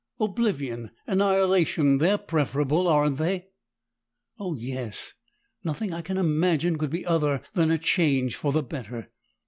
Oblivion, annihilation they're preferable, aren't they?" "Oh, yes! Nothing I can imagine could be other than a change for the better."